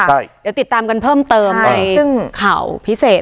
เดี๋ยวติดตามกันเพิ่มเติมในซึ่งข่าวพิเศษ